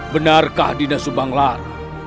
benarkah dina subanglar